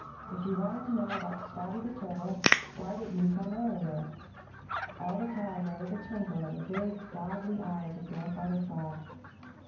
If you wanted to know about Spotty the Turtle, why didn't you come earlier?" All the time there was a twinkle in the big, goggly eyes of Grandfather Frog.